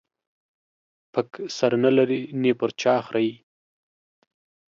پک نه سر لري ، نې په چا خريي.